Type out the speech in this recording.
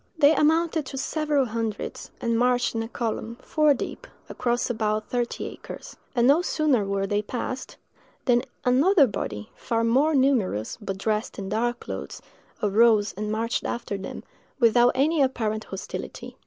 They amounted to several hundreds, and marched in a column, four deep, across about thirty acres; and no sooner were they passed, than another body, far more numerous, but dressed in dark clothes, arose and marched after them, without any apparent hostility.